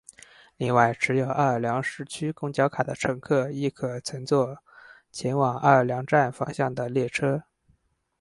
另外持有奥尔良市区公交卡的乘客亦可乘坐前往奥尔良站方向的列车。